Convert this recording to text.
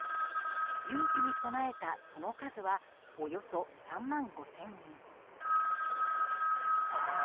有事に備えたその数はおよそ３万５０００人。